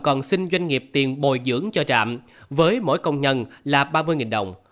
còn xin doanh nghiệp tiền bồi dưỡng cho trạm với mỗi công nhân là ba mươi đồng